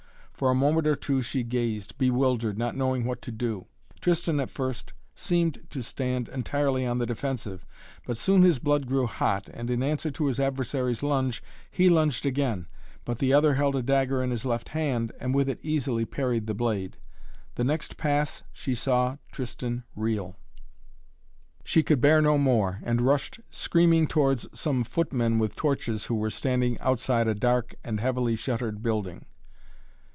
For a moment or two she gazed, bewildered, not knowing what to do. Tristan at first seemed to stand entirely on the defensive, but soon his blood grew hot and, in answer to his adversary's lunge, he lunged again. But the other held a dagger in his left hand and with it easily parried the blade. The next pass she saw Tristan reel. She could bear no more and rushed screaming towards some footmen with torches who were standing outside a dark and heavily shuttered building.